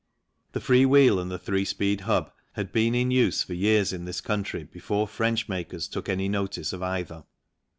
The free wheel and the three speed hub had been in use for years in this country before French makers took any notice of either.